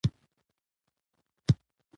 جواهرات د افغانستان د سیلګرۍ برخه ده.